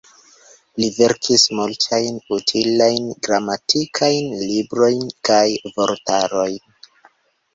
Li verkis multajn utilajn gramatikajn librojn kaj vortarojn.